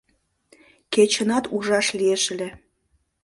Кечынат ужаш лиеш ыле